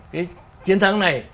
cái chiến thắng này